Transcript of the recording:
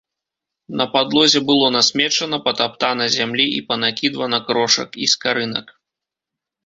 На падлозе было насмечана, патаптана зямлі і панакідвана крошак і скарынак.